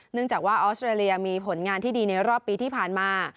เนื่องจากว่าออสเตรเลียมีผลงานที่ดีในรอบปีที่ผ่านมา